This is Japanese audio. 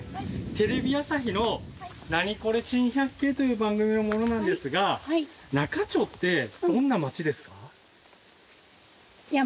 テレビ朝日の『ナニコレ珍百景』という番組の者なんですが那賀町ってどんな町ですか？